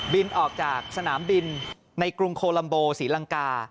บินออกจากสนามบินในกรุงโคลัมโบศรีลังกา